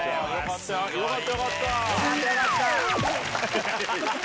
よかったよかった！